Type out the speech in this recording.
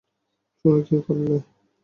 শুনে কী করলে?